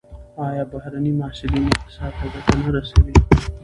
آیا بهرني محصلین اقتصاد ته ګټه نه رسوي؟